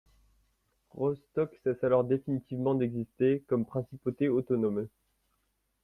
Rostock cesse alors définitivement d'exister comme principauté autonome.